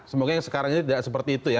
semoga yang sekarang ini tidak seperti itu ya